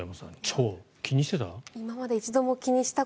腸、気にしてた？